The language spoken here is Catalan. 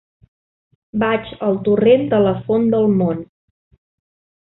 Vaig al torrent de la Font del Mont.